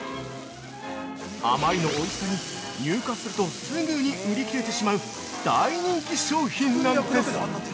あまりのおいしさに、入荷するとすぐに売り切れてしまう大人気商品なんです。